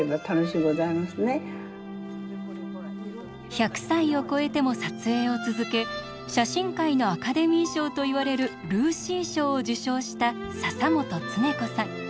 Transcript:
１００歳を越えても撮影を続け写真界のアカデミー賞といわれるルーシー賞を受賞した笹本恒子さん。